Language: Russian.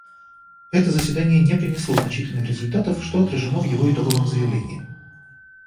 Это заседание не принесло значительных результатов, что отражено в его итоговом заявлении.